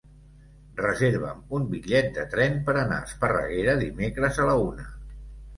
Reserva'm un bitllet de tren per anar a Esparreguera dimecres a la una.